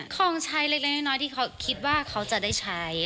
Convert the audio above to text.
ของใช้เล็กน้อยที่เขาคิดว่าเขาจะได้ใช้